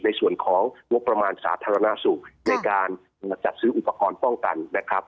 ในส่วนของงบประมาณสาธารณสุขในการจัดซื้ออุปกรณ์ป้องกันนะครับ